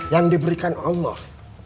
yang diberikan allah